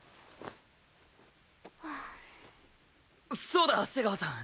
そうだ瀬川さん。